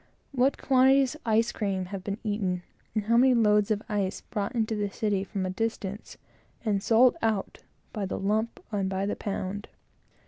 What quantities of ice cream have been eaten, and what quantities of ice brought into the city from a distance, and sold out by the lump and the pound!